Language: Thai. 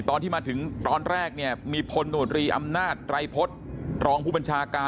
ตอนที่มาถึงตอนแรกเนี่ยมีพลโนตรีอำนาจไรพฤษรองผู้บัญชาการ